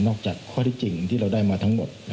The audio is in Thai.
จากข้อที่จริงที่เราได้มาทั้งหมด